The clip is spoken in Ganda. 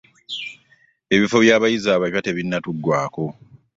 Ebifo by'abayizi abapya tebinnatuggwaako.